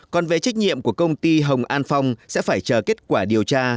còn về trách nhiệm của công ty hồng an phong sẽ phải chờ kết quả điều tra